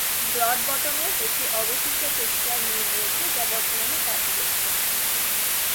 ব্রডবটমের একটি অবশিষ্ট টেক্সটাইল মিল রয়েছে যা বর্তমানে কাজ করছে।